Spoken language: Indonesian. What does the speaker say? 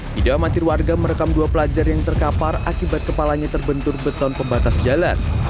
video amatir warga merekam dua pelajar yang terkapar akibat kepalanya terbentur beton pembatas jalan